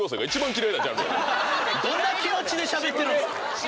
どんな気持ちでしゃべってるんですか